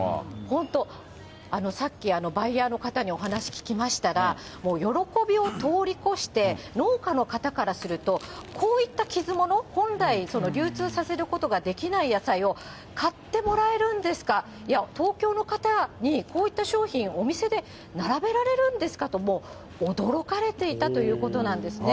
本当、さっきバイヤーの方にお話聞きましたら、もう喜びを通り越して、農家の方からすると、こういった傷物、本来、流通させることができない野菜を、買ってもらえるんですか、いや、東京の方にこういった商品、お店で並べられるんですかと、もう驚かれていたということなんですね。